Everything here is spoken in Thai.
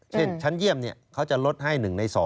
เช่นชั้นเยี่ยมเขาจะลดให้๑ใน๒